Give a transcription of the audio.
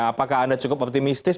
apakah anda cukup optimistis